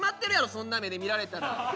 そんな目で見られたら。